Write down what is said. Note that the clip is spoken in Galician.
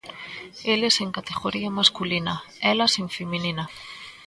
Eles en categoría masculina, elas en feminina.